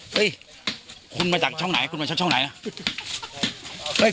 เฮ้ยคุณมาจากช่องไหนคุณมาจากช่องไหนอ่ะ